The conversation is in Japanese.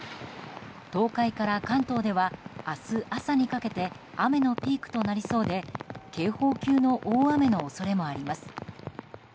東海から関東では明日朝にかけて雨のピークとなりそうで警報級の大雨の恐れもあります。